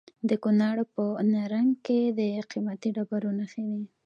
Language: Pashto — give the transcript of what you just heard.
د کونړ په نرنګ کې د قیمتي ډبرو نښې دي.